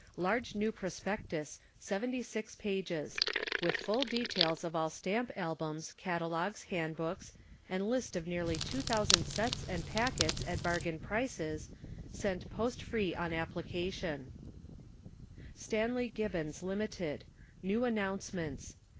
LARGE NEW PROSPECTUS (Seventy six Pages), With full details of all STAMP ALBUMS, CATALOGUES, HANDBOOKS, and List of nearly 2,000 SETS and PACKETS at Bargain Prices, sent post free on application. STANLEY GIBBONS, LIMITED, New Announcements.